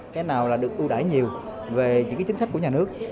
cái nào là được ưu đải nhiều về những cái chính sách của nhà nước